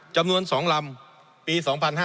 จำนวน๒ลำปี๒๕๕๙